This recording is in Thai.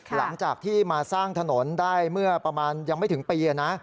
หลังจากที่มาสร้างถนนได้เมื่อประมาณยังไม่ถึงปีนะ